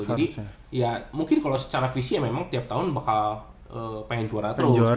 jadi ya mungkin kalo secara visi ya memang tiap tahun bakal pengen juara terus